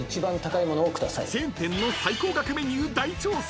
［チェーン店の最高額メニュー大調査］